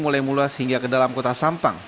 mulai meluas hingga ke dalam kota sampang